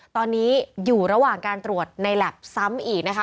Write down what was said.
ตอนนี้อยู่ระหว่างการตรวจในแล็บซ้ำอีกนะคะ